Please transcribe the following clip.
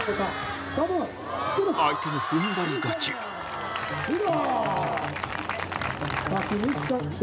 相手の踏ん張り勝ち白！